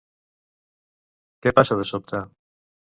Què passa de sobte?